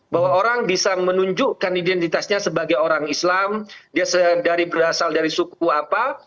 bahwa orang bisa menunjukkan identitasnya sebagai orang islam dia dari berasal dari suku apa